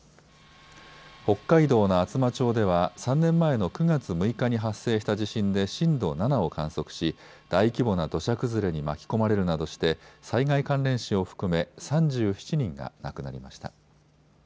北海道の厚真町では３年前の９月６日に発生した地震で震度７を観測し大規模な土砂崩れに巻き込まれるなどして災害関連死を含め３７人が亡くなりました。